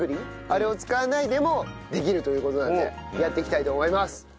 あれを使わないでもできるという事なのでやっていきたいと思います。